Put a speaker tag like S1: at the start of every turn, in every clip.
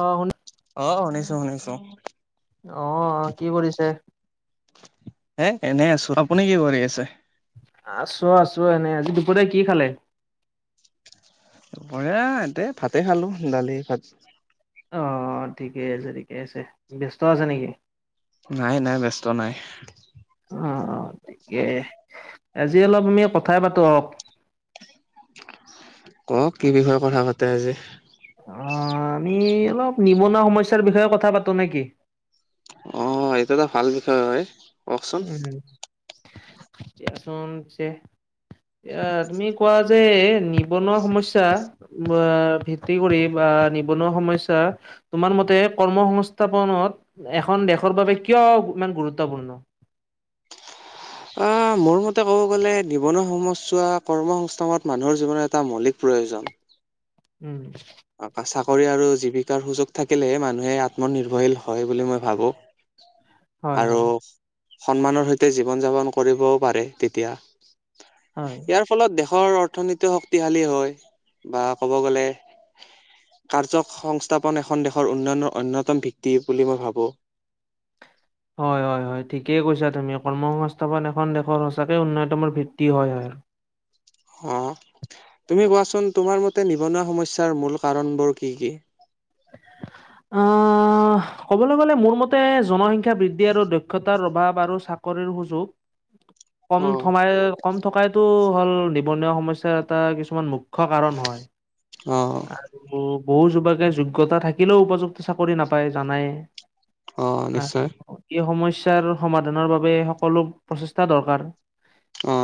S1: অ শুনা
S2: অ শুনিছো শুনিছো
S1: আহ কি কৰিছে?
S2: এ এনে আছো আপুনি কি কৰি আছে?
S1: আছো আছো এনেই আজি দুপৰীয়া কি খালে?
S2: এনে ভাতে খালো দালি ভাত
S1: অ ঠিকে আছে ঠিকে আছে ব্যস্ত আছে নেকি?
S2: নাই নাই ব্যস্ত নাই
S1: অ অ ঠিকে আজি অলপ আমি কথাই পাতো অক
S2: ক কি বিষয়ে কথা পাতে আজি
S1: অ আমি অলপ নিবনুৱা সমস্যাৰ বিষয়ে কথা পাতো নেকি
S2: অ এইটো এটা ভাল বিষয় হয় কওকচোন
S1: উম এটিয়া চোন যে এয়া তুমি কোৱা যে নিবনুৱা সমস্যা ভিত্তি কৰি বা বা নিবনুৱা সমস্যা তোমাৰ মতে কৰ্ম সংস্থাপনত এখন দেশৰ বাবে কিয় অ ইমান গুৰুত্বপূৰ্ণ
S2: অ মোৰ মতে ক'ব গ'লে নিবনুৱা সমস্যা কৰ্ম সংস্থানত মানুহৰ জীৱনৰ এটা মৌলিক প্ৰয়োজন
S1: উম
S2: চাকৰি আৰু জীৱিকাৰ সুযোগ থাকিলে মানুহে আত্মনিৰ্ভৰশীল হয় বুলি মই ভাবো
S1: হয়
S2: আৰু
S1: হয়
S2: সন্মানৰ সৈতে জীৱন যাপন কৰিবও পাৰে তেতিয়া
S1: হয়।
S2: ইয়াৰ ফলত দেশৰ অৰ্থনীতি শক্তিশালী হয় বা ক'ব গ'লে কাৰ্যসংস্থাপন এখন দেশৰ উন্নয়নৰ অন্যতম ভিত্তি বুলি মই ভাবোঁ [inaudible]
S1: হয় হয় হয় ঠিকেই কৈছা তুমি কৰ্ম সংস্থাপন এখন দেশৰ সচাকে উন্নয়তমৰ ভিত্তি হয় হয় [unintelligible] [inaudible]
S2: অহ তুমি কোৱাচোন তোমাৰ মতে নিবনুৱা সমস্যাৰ মূল কাৰণবোৰ কি কি
S1: অ অ ক'বলৈ গ'লে মোৰ মতে জনসংখ্যা বৃদ্ধি আৰু দক্ষতাৰ অভাৱ আৰু চাকৰিৰ সুযোগ [unintelligible]
S2: [inaudible]
S1: কম থমাই কম থকাইতো হ'ল নিবনুৱা সমস্যা এটা কিছুমান মুক্ত [unintelligible] কাৰণ হয় আৰু বহু যোৱকে [unintelligible] অভিজ্ঞতা থাকিলেও উপযুক্ত চাকৰি নাপায় জানাই
S2: অ
S1: আৰু
S2: নিশ্চয়
S1: সেই সময় সমস্যাৰ সমাধানৰ বাবে সকলো প্ৰচেষ্টা দৰকাৰ
S2: অ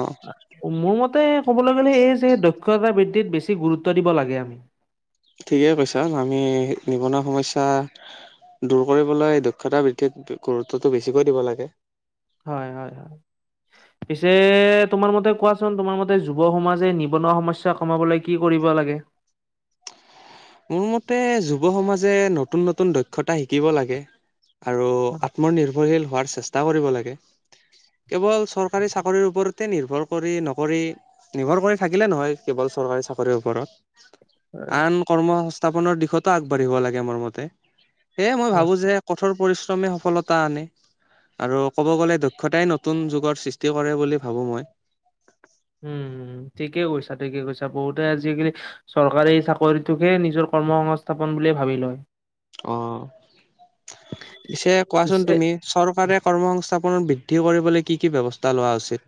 S1: মোৰমতে তাতে ক'বলৈ গ'লে এই যে দক্ষতা বৃদ্ধিত বেছি গুৰুত্ব দিব লাগে আমি।
S2: ঠিকেই কৈছা আমি নিবনুৱা সমস্যা দূৰ কৰিবলৈ দক্ষতা বৃদ্ধিত গুৰুত্বটো বেছিকৈ দিব লাগে।
S1: হয় হয় হয়। পিছে তোমাৰ মতে কোৱাচোন তোমাৰ মতে যুৱ সমাজে নিবনুৱা সমস্যা কমাবলৈ কি কৰিব লাগে?
S2: [inaudible] মোৰ মতে যুৱ সমাজে নতুন নতুন দক্ষতা শিকিব লাগে। আৰু আত্মনিৰ্ভৰশীল হোৱাৰ চেষ্টা কৰিব লাগে। কেৱল চৰকাৰী চাকৰিৰ ওপৰ তে নিৰ্ভৰ কৰি নকৰি নিৰ্ভৰ কৰি থাকিলে নহয় কেৱল চৰকাৰী চাকৰিৰ ওপৰত।
S1: হয়।
S2: আন কৰ্ম সংস্থাপনৰ দিশতা আগবাঢ়িব লাগে মোৰ মতে, সেয়ে মই ভাবো যে কঠোৰ পৰিশ্ৰমে সফলতা আনে। আৰু ক'ব গ'লে দক্ষতাই নতুন যুগৰ সৃষ্টি কৰে বুলি ভাবো মই।
S1: উম ঠিকে কৈছা ঠিকে কৈছা বহুতে আজিকালি চৰকাৰী চাকৰিটোকে নিজৰ কৰ্ম সংস্থাপন বুলিয়ে ভাবি লয়।
S2: অ পিছে কোৱাচোন
S1: পিছে
S2: তুমি চৰকাৰে কৰ্ম সংস্থা ৰ বৃদ্ধি কৰিবলে কি কি ব্যৱস্থা লোৱা উচিত?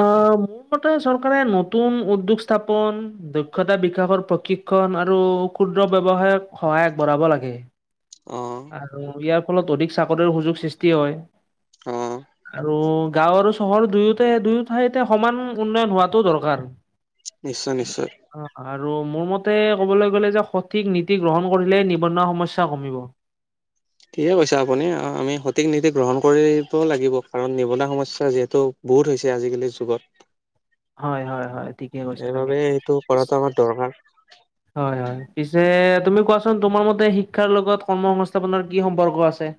S1: অ মোৰ মতে চৰকাৰে নতুন উদ্যোগ স্থাপন দক্ষতা বিকাশৰ প্ৰকৃত শিক্ষণ আৰু ক্ষুদ্ৰ ব্যৱসায়ক সহায় আগবঢ়াব লাগে।
S2: অ',
S1: আৰু ইয়াৰ ফলত অধিক চাকৰিৰ সুযোগ সৃষ্টি হয়।
S2: অ'।
S1: আৰু গাওঁ আৰু চহৰ দুয়োটাই দুয়ো ঠাইতে সমান উন্নয়ন হোৱাটো দৰকাৰ।
S2: নিশ্চয় নিশ্চয়।
S1: অ আৰু মোৰ মতে ক'বলৈ গ'লে যে সঠিক নীতি গ্ৰহণ কৰিলে নিবনুৱা সমস্যা কমিব।
S2: ঠিকে কৈছে আপুনি আমি সঠিক নীতি গ্ৰহণ কৰিব লাগিব কাৰণ নিবনুৱা সমস্যা যিহেতু বহুত হৈছে আজিকালিৰ যুগত।
S1: হয় হয় হয়। ঠিকে কৈছা তুমি।
S2: সেইবাবে এইটো কৰাটো আমাৰ দৰকাৰ।
S1: হয় হয় পিছে তুমি কোৱাচোন তোমাৰ মতে শিক্ষাৰ লগত কৰ্মসংস্থাপনৰ কি সম্পৰ্ক আছে?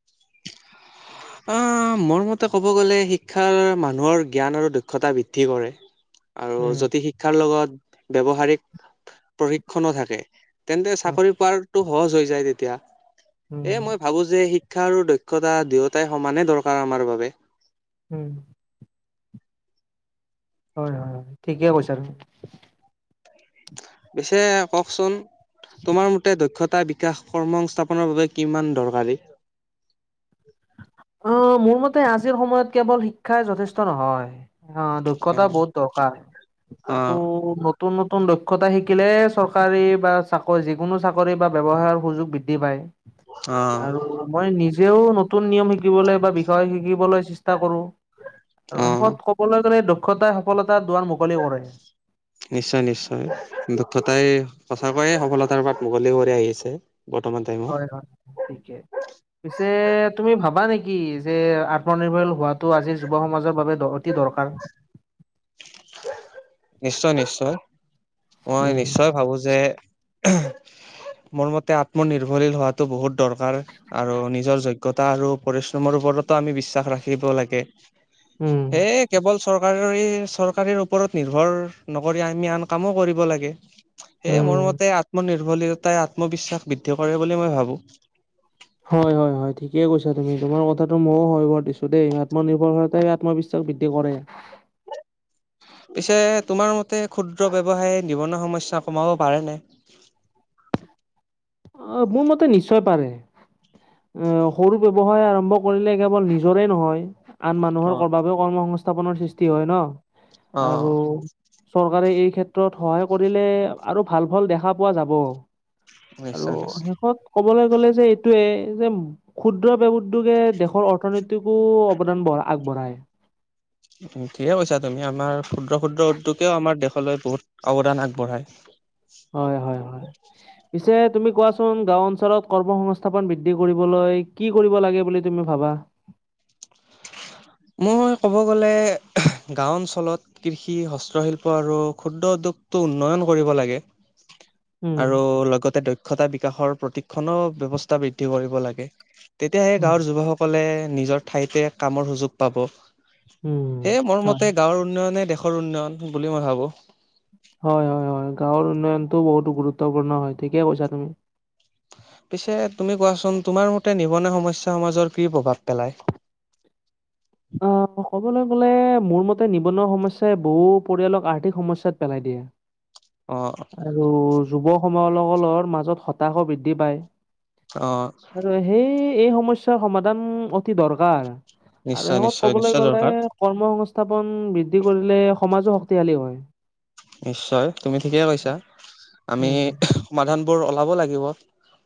S2: [unintelligible] আহ মোৰ মতে ক'ব গ'লে শিক্ষাৰ মানুহৰ জ্ঞান আৰু দক্ষতা বৃদ্ধি কৰে। আৰু
S1: উম
S2: যদি শিক্ষাৰ লগত ব্যৱহাৰিক প্ৰশিক্ষনো থাকে তেন্তে
S1: উম
S2: চাকৰি পোৱাটো সহজ হৈ যায় তেতিয়া
S1: উম
S2: এ মই ভাবো যে শি শিক্ষা আৰু দক্ষতা দুয়োটাই সমানে দৰকাৰ আমাৰ বাবে।
S1: উম। হয় হয় হয় ঠিকে কৈছা তুমি।
S2: পিছে কওঁকচোন তোমাৰ মতে দক্ষতা তাৰ বিকাশ কৰ্ম সংস্থাপনৰ বাবে কিমান দৰকাৰী?
S1: অহ মোৰ মতে আজিৰ সময়ত কেৱল শিক্ষাই যথেষ্ট নহয়। অহ
S2: অ
S1: দক্ষতা বহুত দৰকাৰ
S2: অ
S1: আৰু নতুন নতুন দক্ষ দক্ষতা শিকিলে চৰকাৰী বা চাকৰি যিকোনো চাকৰি বা ব্যৱসায়ৰ সুযোগ বৃদ্ধি পায়। আৰু মই নিজেও নতুন নিয়ম শিকি বলে বা বিষয় শিকিবলৈ চেষ্টা কৰো, আৰু
S2: অ
S1: শেষত কবলৈ গলে দক্ষতা
S2: নিশ্চয় নিশ্চয় দক্ষতাই সঁচা ক্ষুদ্ৰয়ে সফলতাৰ বাট মুকলি কৰি আহিছে বৰ্তমান টাইমত
S1: হয় হয় ঠিকে। পিছে তুমি ভা বা নেকি যে আত্মনিৰ্ভৰশীল হোৱাটো আজিৰ যুৱ সমাজৰ বাবে অতি দৰকাৰ?
S2: নিশ্চয় নিশ্চয়। মই
S1: উম
S2: নিশ্চয় ভাবো যে [unintelligible] মোৰ মতে আত্মনিৰ্ভৰশীল হোৱাটো বহুত দৰকাৰ আৰু নিজৰ যোগ্যতা আৰু পৰিশ্ৰমৰ ওপ ওপৰতো আমি বিশ্বাস ৰাখিব লাগে
S1: উম
S2: সেয়ে কেৱল চৰকাৰৰ চৰকাৰীৰ ওপৰত নিৰ্ভৰ নকৰি আমি আন কামো কৰিব লাগে সেয়ে মোৰ
S1: উম।
S2: মতে আত্মনিৰ্ভলীতাই আত্মবিশ্বাস বৃদ্ধি কৰে বুলি মই ভাবো
S1: হয় হয় হয় ঠিকে কৈছা তুমি তোমাৰ কথাটো ময়ো হয় ভৰ দিছো দেই আত্মনিৰ্ভৰশাই আত্মবিশ্বাস বৃদ্ধি কৰে
S2: [unintelligible] পিছে তোমাৰ মতে ক্ষুদ্ৰ ব্যয়ৱসায় নিবনুৱা সমস্যা কমাব পাৰে নাই [inaudible]
S1: অহ মোৰ মতে নিশ্চয় পাৰে অহ সৰু ব্যৱসায় আৰম্ভ কৰিলে কেৱল নিজৰে নহয় আন মানুহৰ
S2: অ
S1: বাবেও কৰ্ম সংস্থাপনৰ সৃষ্টি হয় ন
S2: অ
S1: আৰু চৰকাৰে এই ক্ষেত্ৰত সহায় কৰিলে আৰু ভাল ফল দেখা পোৱা যাব
S2: নিশ্চয় নিশ্চয়
S1: কব গলে যে এইটোয়ে যে ক্ষুদ্ৰ ব্যৱ উদ্যোগে দেশৰ অৰ্থনীতিকো অৱদান বঢ়া আগবঢ়াই
S2: [unintelligible] উম ঠিকে কৈছা তুমি আমাৰ ক্ষুদ্ৰ ক্ষুদ্ৰ উদ্যোগেও আমাৰ দেশলৈ বহুত অৱদান আগবঢ়ায়
S1: হয় হয় হয় পিছে তুমি কোৱাচোন গাওঁ অঞ্চলত কৰ্ম সংস্থাপন বৃদ্ধি কৰিবলৈ কি কৰিব লাগে বুলি তুমি ভাবা
S2: [inaudible] মই ক'ব গ'লে গাঁও অঞ্চলত কৃষি হস্তশিল্প আৰু ক্ষুদ্ৰ উদ্যোগ উন্নয়ন কৰিব লাগে
S1: উম
S2: আৰু লগতে দক্ষ দক্ষতা বিকাশৰ প্ৰতিক্ষণো ব্যৱস্থা বৃদ্ধি কৰিব লাগে তেতিয়াহে গাঁৱৰ যুৱকসকলে নিজৰ ঠাইতে কামৰ সুযোগ পাব
S1: উম
S2: সেয়ে মোৰ
S1: হয়
S2: মতে গাঁৱৰ উন্নয়নে দেশৰ উন্নয়ন বুলি মই ভাবো
S1: হয় হয় হয় গাঁৱৰ উন্নয়নটো বহুতো গুৰুত্বপূৰ্ণ হয় ঠিকেই কৈছা তুমি
S2: পিছে তুমি কোৱাচোন তোমাৰ মতে নিবনুৱা সমস্যা সমাজৰ কি প্ৰভাৱ পেলায় [inaudible]
S1: অ ক'বলৈ গ'লে মোৰ মতে নিবনুৱা সমস্যাই বহু পৰিয়ালক আৰ্থিক সমস্যাত পেলাই দিয়ে
S2: অ',
S1: আৰু যুৱ সমকলৰ মাজত হতাশও বৃদ্ধি পায়।
S2: অ',
S1: আৰু সেই এই সমস্যাৰ সমাধান অতি দৰকাৰ। আৰু
S2: নিশ্চয়,
S1: শেষত
S2: নিশ্চয়,
S1: কবলৈ
S2: নিশ্চয়
S1: গলে
S2: দৰকাৰ
S1: কৰ্ম সংস্থাপন বৃদ্ধি কৰিলে সমাজো শক্তিশালী হয়।
S2: নিশ্চয় তুমি ঠিকেই কৈছা আমি
S1: উম,
S2: সমাধানবোৰ ওলাব লাগিব।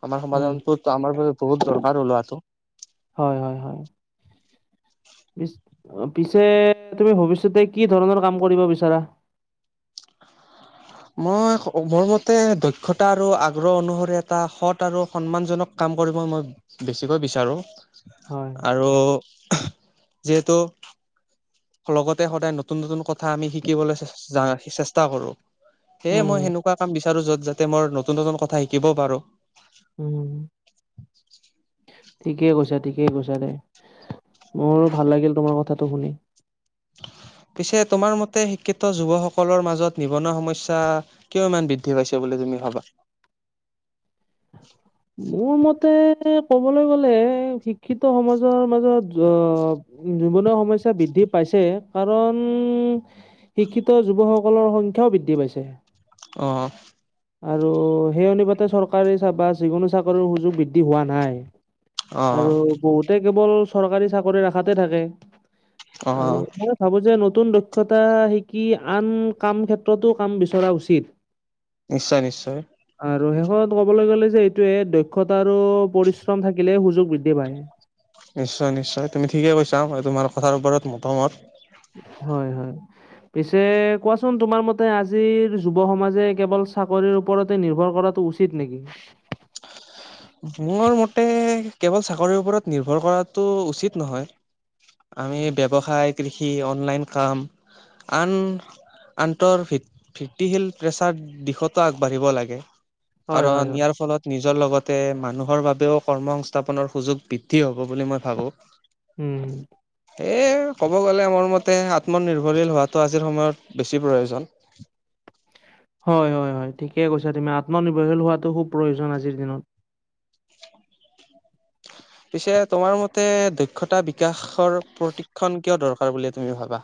S2: আমাৰ
S1: উম,
S2: সমাধান আমাৰ বাবে বহুত দৰকাৰ লোৱাটো
S1: হয় হয় হয়। পি পিছে তুমি ভৱিষ্যতে কি ধৰণৰ কাম কৰিব বিচাৰা
S2: [inaudible] মই মোৰ মতে দক্ষতা আৰু আগ্ৰহ অনুসৰি এটা সৎ আৰু সন্মান জনক কাম ক কৰিবই মই বেছিকৈ বিচাৰোঁ।
S1: হয়।
S2: আৰু যিহেতু লগতে সদায় নতুন নতুন কথা আমি শিকিবলৈ চেষ্টা কৰো সেয়ে
S1: উম,
S2: মই সেনেকুৱা কাম বিচাৰো যত যাতে মই নতুন নতুন কথা শিকিবও পাৰো
S1: উম ঠিকেই কৈছা ঠিকেই কৈছা দে মোৰো ভাল লাগিল তোমাৰ কথাটো শুনি
S2: পিছে তোমাৰ মতে শিক্ষিত যুৱকসকলৰ মাজত নিবনুৱা সমস্যা কিয় ইমান বৃদ্ধি পাইছে বুলি তুমি ভাবা [unintelligible]
S1: মোৰ মতে ক'বলৈ গ'লে শিক্ষিত সমাজৰ মাজত অ নিবনুৱা সমস্যা বৃদ্ধি পাইছে কাৰণ শিক্ষিত যুৱকসকলৰ সংখ্যাও বৃদ্ধি পাইছে
S2: অ
S1: আৰু সেই অনুপাতে চৰকাৰী বা যিকোনো চাকৰিৰ সুযোগ বৃদ্ধি হোৱা নাই
S2: অ',
S1: আৰু বহুতে কেৱল চৰকাৰী চাকৰি আশাতে থাকে আৰু
S2: অ',
S1: ম‌ই ভাবো যে ন নতুন দক্ষতা শিকি আন কামৰ ক্ষেত্ৰতো কাম বিচৰা উচিত
S2: নিশ্চয়-নিশ্চয়
S1: আৰু শেষত কবলৈ গ'লে যে এইটোৱেই দক্ষতা আৰু পৰিশ্ৰম থাকিলে সুযোগ বৃদ্ধি পায়।
S2: নিশ্চয়-নিশ্চয় তুমি ঠিকে কৈছা তোমাৰ কথাৰ ওপৰত মতামত
S1: হয়-হয় পিছে কোৱাচোন তোমাৰ মতে আজিৰ যুৱ সমাজে কেৱল চাকৰিৰ ওপৰতে নিৰ্ভৰ কৰা উচিত নেকি?
S2: [unintelligible] মোৰ মতে কেৱল চাকৰিৰ ওপৰত নিৰ্ভৰ কৰাটো উচিত নহয় আমি ব্যৱসায় কৃষি অনলাইন কাম আন আন্তৰ ভিত্তি-ভিত্তিশীল প্ৰেছাৰ দিশতো আগবাঢ়িব লাগে
S1: হয় হয়
S2: কাৰণ
S1: হয়।
S2: ইয়াৰ ফলত নিজৰ লগত তে মানুহৰ বাবেও কৰ্ম সংস্থাপনৰ সুযোগ বৃদ্ধি হ'ব বুলি মই ভাবোঁ
S1: উম,
S2: এই ক'ব গ'লে মোৰ মতে আত্মনিৰ্ভৰশীল হোৱাটো আজিৰ সময়ত বেছি প্ৰয়োজন [unintelligible]
S1: [unintelligible] হয়-হয়-হয় ঠিকেই কৈছা তুমি আত্মনিৰ্ভৰশীল হোৱাটো খুব প্ৰয়োজন আজিৰ দিনত [unintelligible]
S2: পিছে তোমাৰ মতে দক্ষতা বিকাশৰ প্ৰতিক্ষন কিয় দৰকাৰ বুলি তুমি ভাবা?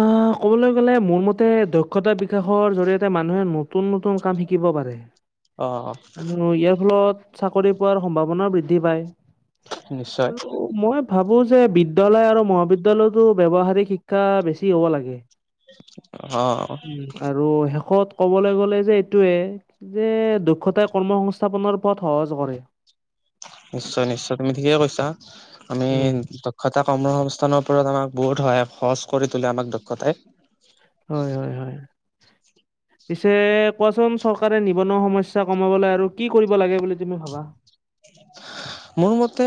S1: অ অ ক'বলৈ গলে মোৰ মতে দক্ষতা বিকাশৰ জৰিয়তে মানুহে নতুন-নতুন কাম শিকিব পাৰে
S2: অ'
S1: আৰু ইয়াৰ ফলত চাকৰি পোৱাৰ সম্ভাৱনাও বৃদ্ধি পায়।
S2: নিশ্চয়,
S1: আৰু মই ভাবো যে বিদ্যালয় আৰু মহাবিদ্যালয়তো ব্যৱহাৰিক শিক্ষা শিক্ষা বেছি হ'ব লাগে
S2: অ'
S1: উম আৰু শেষত ক'বলৈ গ'লে যে এইটোৱেই যে দু দক্ষতাই কৰ্মসংস্থাপনৰ পথ সহজ কৰে
S2: নিশ্চয়-নিশ্চয় তুমি ঠিকেই কৈছা আমি
S1: উম।
S2: দক্ষতা কৰ্মসংস্থাপনৰ ওপৰত আমাক বহুত সহায় সহজ কৰি তোলে আমাক দক্ষতাই
S1: হয়-হয়-হয়
S2: [unintelligible]
S1: পিছে কোৱাচোন চৰকাৰে নিবনুৱা সমস্যা কমাবলৈ আৰু কি কৰিব লাগে বুলি তুমি ভাবা
S2: মোৰ মতে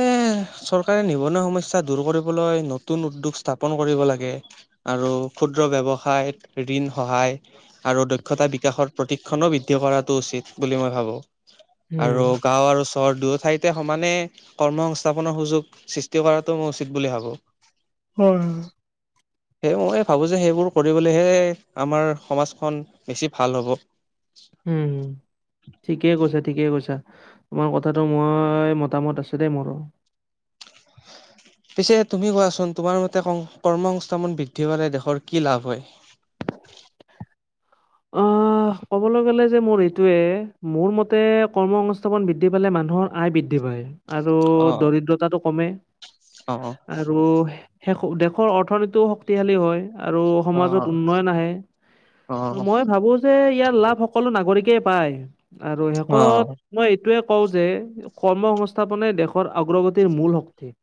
S2: চৰকাৰে নিবনুৱা সমস্যা দূৰ কৰিবলৈ নতুন উদ্যোগ স্থাপন ন কৰিব লাগে আৰু ক্ষুদ্ৰ ব্যৱসায়ত ঋণ সহায় আৰু দক্ষতা বি বিকাশৰ প্ৰশিক্ষণো বৃদ্ধি কৰাটো উচিত বুলি মই ভাবো
S1: উম,
S2: আৰু গাঁও আৰু চহৰ দত ঠাইতে সমানে কৰ্ম সংস্থাপনৰ সুযোগ সৃষ্টি কৰাটো মই উচিত বুলি ভাবোঁ
S1: হয়।
S2: সেই মই ভাবোঁ যে সেইবোৰ কৰিলেহে আমাৰ সমাজখন বেছি ভাল হ'ব
S1: হুম-হুম ঠিকেই কৈছা ঠিকেই কৈছা তোমাৰ কথাটো মই মতামত আছো দেই মোৰো
S2: পিছে তুমি কোৱাচোন তোমাৰ মতে কৰ্মসংস্থাপন বৃদ্ধি পালে দেশৰ কি লাভ হয়? [unintelligible] [unintelligible]
S1: অ ক'বলৈ গলে যে মোৰ এইটোৱেই মোৰ মতে কৰ্মসংস্থাপন বৃদ্ধি পালে মানুহৰ আয় বৃদ্ধি পায় আৰু
S2: অ',
S1: দৰিদ্ৰতাটো কমে
S2: অ',
S1: আৰু দেশৰ অৰ্থনীতিও শক্তিশালী হয় আৰু সমাজত
S2: অ',
S1: উন্নয়ন আহে।
S2: অ',
S1: মই ভাবোঁ যে ইয়াৰ লাভ সকলো নাগৰিকেই পায় আৰু শেষত
S2: অ',
S1: মই এইটোৱেই কওঁ যে কৰ্মসংস্থাপনে দেশৰ অগ্ৰগতিৰ মূল শক্তি।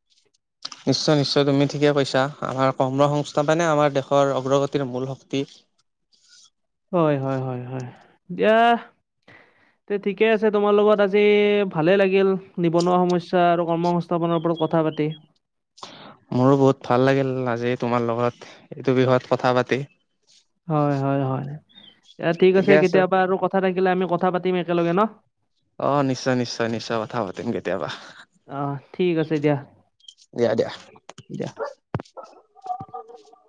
S2: নিশ্চয়- নিশ্চয় তুমি ঠিকে কৈছা আমাৰ কৰ্ম সংস্থাপনে আমাৰ দেশৰ অগ্ৰগতিৰ মূল শক্তি। [inaudible]
S1: হয়', হয়', হয়', হয় ', এতিয়া তে ঠিকে আছে তোমাৰ লগত আজি ভালে লাগিল নিবনুৱা সমস্যা আৰু কৰ্ম সংস্থাপনৰ ওপৰত কথা পাতি।
S2: মোৰো বহুত ভাল লাগিল আজি তোমাৰ লগত এইটো বিষয়ত কথা পাতি।
S1: এ ঠিক আছে কেতিয়াবা আৰু কথা থাকিলে আমি কথা পাতিম একেলগে ন।
S2: অ নিশ্চয় নিশ্চয় নিশ্চয় কথা পাতিম কেতিয়াবা।
S1: অ ঠিক আছে দিয়া।
S2: দিয়া দিয়া
S1: দিয়া